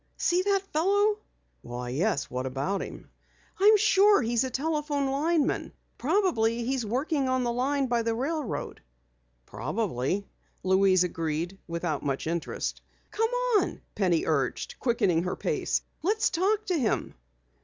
"See that fellow?" "Why, yes. What about him?" "I'm sure he's a telephone lineman. Probably he's working on the line by the railroad." "Probably," Louise agreed, without much interest. "Come on," Penny urged, quickening pace. "Let's talk to him."